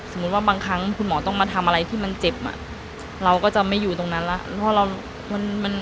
ว่าบางครั้งคุณหมอต้องมาทำอะไรที่มันเจ็บอ่ะเราก็จะไม่อยู่ตรงนั้นแล้ว